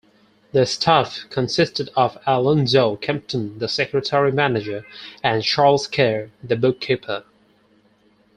The staff consisted of Alonzo Kempton, the secretary-manager, and Charles Kerr, the bookkeeper.